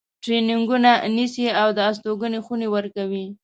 ترینینګونه نیسي او د استوګنې خونې ورکوي.